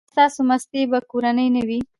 ایا ستاسو ماستې به کورنۍ نه وي؟